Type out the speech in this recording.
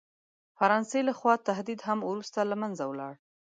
فرانسې له خوا تهدید هم وروسته له منځه ولاړ.